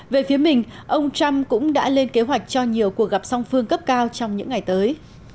về phía mình ông trump cũng đã lên kế hoạch cho nhiều cuộc gặp song phương cấp cao trong những ngày tới